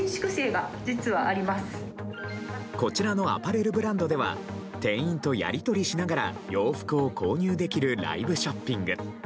こちらのアパレルブランドでは店員とやり取りしながら洋服を購入できるライブショッピング。